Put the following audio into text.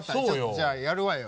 じゃあやるわよ。